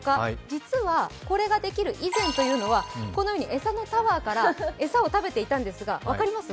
実は、これができる以前というのはこのように餌のタワーから、餌を食べていたんですが分かります？